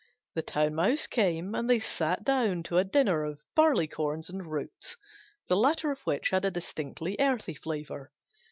The Town Mouse came, and they sat down to a dinner of barleycorns and roots, the latter of which had a distinctly earthy flavour.